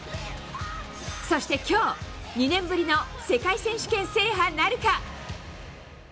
そして今日、２年ぶりの世界選手権制覇なるか？